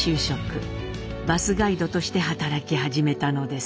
バスガイドとして働き始めたのです。